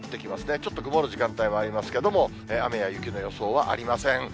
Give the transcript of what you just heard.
ちょっと曇る時間帯もありますけれども、雨や雪の予想はありません。